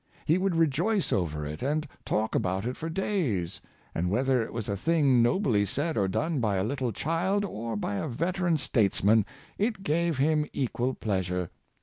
He would rejoice over it, and talk about it for days, and whether it was a thing nobly said or done by a little child, or by a veteran statesman, it gave him equal pleasure.